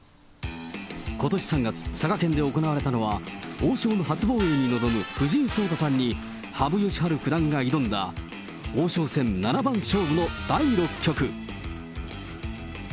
ことし３月、佐賀県で行われたのは、王将の初防衛に臨む藤井聡太さんに、羽生善治九段が挑んだ、王将戦七番勝負の第６局。